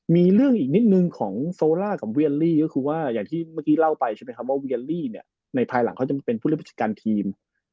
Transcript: มีเรื่องอีกนิดนึงของโซล่ากับเวียลลี่ก็คือว่าอย่างที่เมื่อกี้เล่าไปใช่ไหมครับว่าเวียลลี่เนี่ยในภายหลังเขาจะมาเป็นผู้เล่นราชการทีม